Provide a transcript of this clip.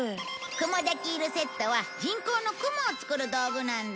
雲デキールセットは人工の雲を作る道具なんだ。